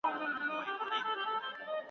د نر هلک ژړا په زانګو کي معلومېږي ,